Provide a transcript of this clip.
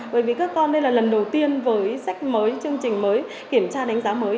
bởi vì các con đây là lần đầu tiên với sách mới chương trình mới kiểm tra đánh giá mới